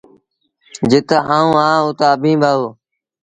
جِت آئوٚنٚ اهآنٚ اُت اڀيٚنٚ با هو۔